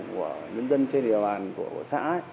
của nhân dân trên địa bàn của xã